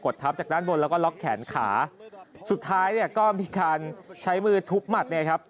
ทับจากด้านบนแล้วก็ล็อกแขนขาสุดท้ายเนี่ยก็มีการใช้มือทุบหมัดเนี่ยครับ